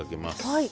はい。